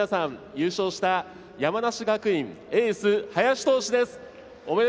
優勝した山梨学院エース、林投手です。